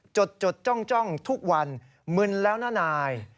จดจ้องทุกวันมึนแล้วนะนาย